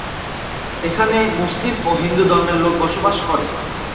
এখানে মুসলিম ও হিন্দু ধর্মের লোক বসবাস করে।